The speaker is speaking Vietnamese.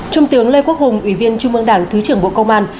trung tướng lê quốc hùng ủy viên trung mương đảng thứ trưởng bộ công an